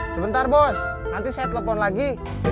sebentar bos nanti saya telepon lagi